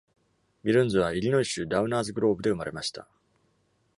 ミルンズは、イリノイ州ダウナーズグローブで生まれました。